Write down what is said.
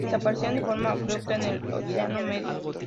Desaparecieron de forma abrupta en el Eoceno Medio.